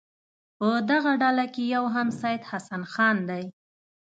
په دغه ډله کې یو هم سید حسن خان دی.